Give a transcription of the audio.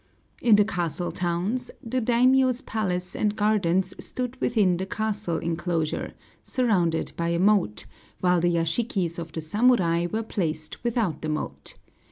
In the castle towns the daimiō's palace and gardens stood within the castle inclosure, surrounded by a moat, while the yashikis of the samurai were placed without the moat.